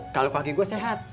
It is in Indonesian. kalau pagi gue sehat